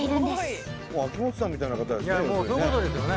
もう秋元さんみたいな方ですね